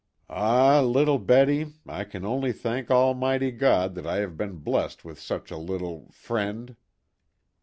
Ah, little Betty, I can only thank Almighty God that I have been blest with such a little friend."